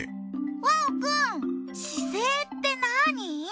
わおくん姿勢ってなぁに？